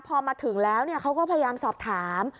พอมาถึงแล้วเขาก็พยายามสอบถาม